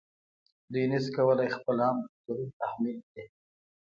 دوی نشي کولای خپل عام دوکتورین تحمیل کړي.